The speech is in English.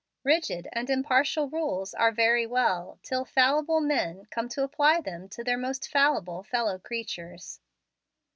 Rigid and impartial rules are very well till fallible men come to apply them to their most fallible fellow creatures.